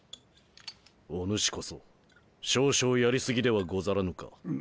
お主こそ少々やり過ぎではござらぬか？